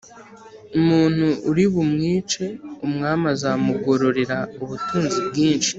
Umuntu uri bumwice umwami azamugororera ubutunzi bwinshi